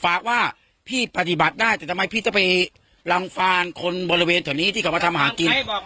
ฝากว่าพี่ปฏิบัติได้แต่ทำไมพี่จะไปรังฟานคนบริเวณแถวนี้ที่เขามาทำหากิน